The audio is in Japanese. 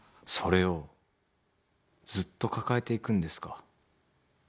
「それをずっと抱えていくんですか？」